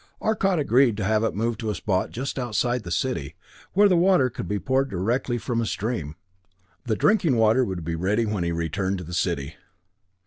Arcot agreed to have it moved to a spot just outside the city, where the water could be procured directly from a stream. The drinking water would be ready when he returned to the city.